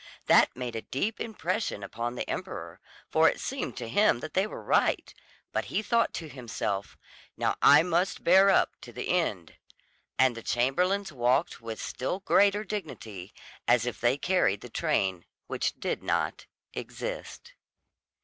That made a deep impression upon the emperor, for it seemed to him that they were right; but he thought to himself, "Now I must bear up to the end." And the chamberlains walked with still greater dignity, as if they carried the train which did not exist.